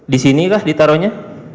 di sini lah ditaruhnya